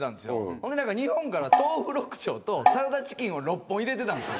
それで日本から豆腐６丁とサラダチキンを６本入れてたんですよ。